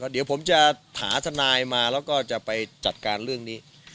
เดี๋ยวผมจะหาทนายมาแล้วก็จะไปจัดการเรื่องนี้